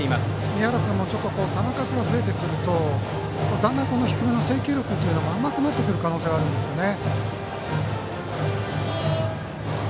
宮原君も球数が増えてくるとだんだん、低めの制球力が甘くなってくる可能性があるんですね。